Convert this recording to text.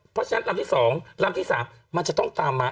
เพราะฉะนั้นลำที่๒ลำที่๓มันจะต้องตามมา